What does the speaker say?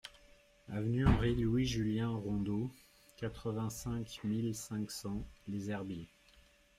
Avenue Henri Louis Julien Rondeau, quatre-vingt-cinq mille cinq cents Les Herbiers